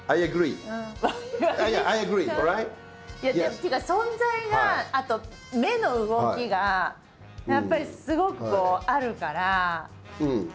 っていうか存在があと目の動きがやっぱりすごくこうあるから。